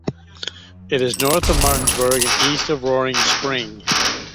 It is north of Martinsburg and east of Roaring Spring.